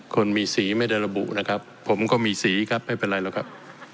คนมีสีไม่ได้ระบุนะครับผมก็มีสีครับไม่เป็นไรหรอกครับ